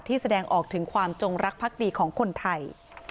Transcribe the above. แสดงออกถึงความจงรักพักดีของคนไทย